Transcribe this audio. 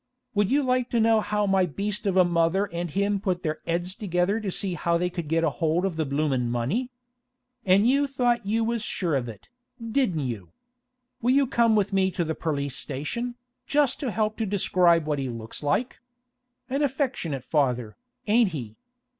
Would you like to know how my beast of a mother and him put their 'eds together to see how they could get hold of the bloomin' money? An' you thought you was sure of it, didn't you? Will you come with me to the perlice station, just to help to describe what he looks like? An affectionate father, ain't he?